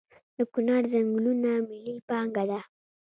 د کنړ ځنګلونه ملي پانګه ده؟